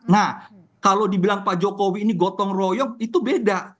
nah kalau dibilang pak jokowi ini gotong royong itu beda